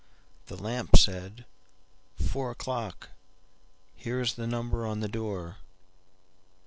The lamp said,"Four o'clock, Here is the number on the door.